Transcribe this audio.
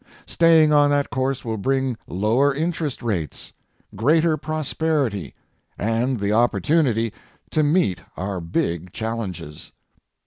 Staying on that course will bring lower interest rates, greater prosperity and the opportunity to meet our big challenges.